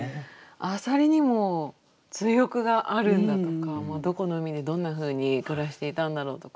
浅蜊にも追憶があるんだとかもうどこの海でどんなふうに暮らしていたんだろうとか。